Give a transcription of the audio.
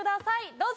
どうぞ！